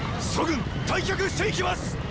楚軍退却していきます！